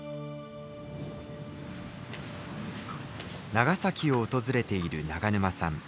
長崎を訪れている永沼さん。